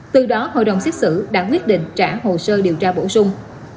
từ đó hội đồng xét xử đã quyết định trả hồ sơ điều tra bổ sung